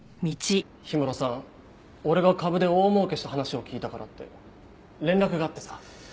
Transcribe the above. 氷室さん俺が株で大儲けした話を聞いたからって連絡があってさ。